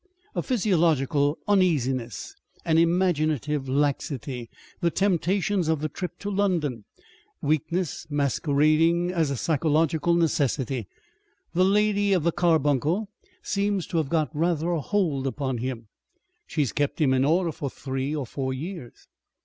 A physiological uneasiness, an imaginative laxity, the temptations of the trip to London weakness masquerading as a psychological necessity. The Lady of the Carbuncle seems to have got rather a hold upon him. She has kept him in order for three or four years."